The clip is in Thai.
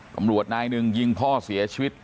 ตำรวจนายหนึ่งยิงพ่อเสียชีวิต